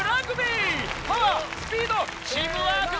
パワースピードチームワークで。